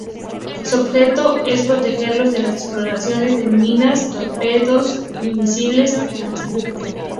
Su objeto es protegerlos de las explosiones de minas, torpedos y misiles antibuque.